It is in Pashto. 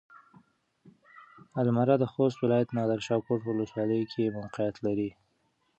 المره د خوست ولايت نادرشاه کوټ ولسوالۍ کې موقعيت لري.